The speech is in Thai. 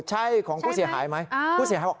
ใช่ของผู้เสียหายไหม